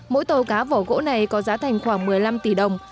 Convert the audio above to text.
mỗi tàu cá vỏ gỗ này có giá thành khoảng một mươi năm tỷ đồng